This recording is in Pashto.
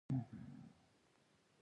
زه له خپلو خطاوو څخه زدکړه کوم.